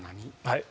はい。